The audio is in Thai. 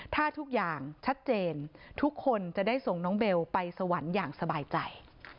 ถ้าทุกอย่างชัดเจนทุกคนจะได้ส่งน้องเบลไปสวรรค์อย่างสบายใจ